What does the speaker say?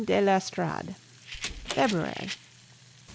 DE L'ESTORADE February.